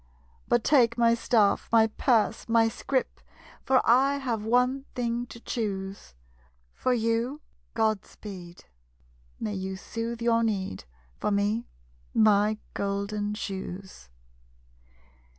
But take my staff, my purse, my scrip; For I have one thing to choose. For you, Godspeed! May you soothe your need. For me, my golden shoes!